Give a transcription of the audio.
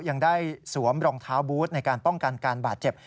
ยังได้สวมรองเท้าบูธในการป้องกันการบาดเจ็บ